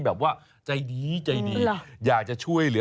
ถ้ากินข้าว